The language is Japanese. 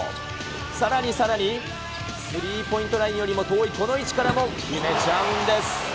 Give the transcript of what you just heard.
さらにさらに、スリーポイントラインよりも遠いこの位置からも決めちゃうんです。